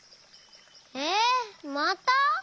えっまた？